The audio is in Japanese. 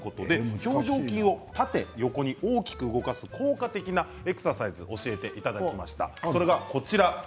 表情筋を縦横に大きく動かす効果的なエクササイズを教えていただきました。